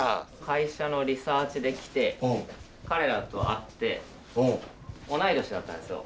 会社のリサーチで来て彼らと会って同い年だったんですよ。